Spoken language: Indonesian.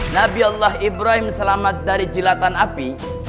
nabi allah ibrahim selamat dari jilatan api